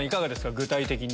具体的に。